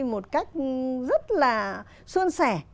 một cách rất là xuân sẻ